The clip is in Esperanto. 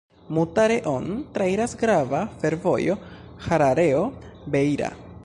Mutare-on trairas grava fervojo Harareo-Beira.